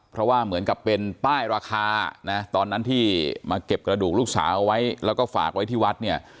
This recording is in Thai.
เพราะว่าเหมือนกับเป็นป้ายราคานะตอนนั้นที่มาเก็บกระดูกลูกสาวเอาไว้แล้วก็ฝากไว้ที่วัดเนี่ย